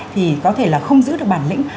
thì có thể là không giữ được bản lĩnh